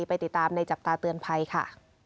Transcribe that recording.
ไปติดตามในจับตาเตือนภัยค่ะ